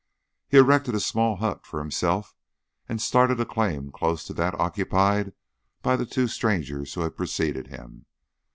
He erected a small hut for himself, and started a claim close to that occupied by the two strangers who had preceded him.